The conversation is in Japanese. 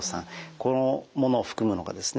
このものを含むのがですね